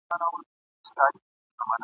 پر سکروټو مي لیکلي جهاني د غزل توري !.